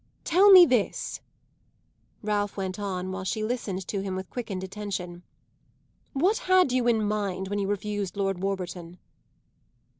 Tell me this," Ralph went on while she listened to him with quickened attention. "What had you in mind when you refused Lord Warburton?"